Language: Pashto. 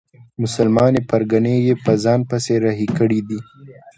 مسلمانې پرګنې یې په ځان پسې رهي کړي دي.